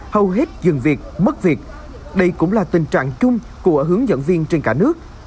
hầu hết dừng việc mất việc đây cũng là tình trạng chung của hướng dẫn viên trên cả nước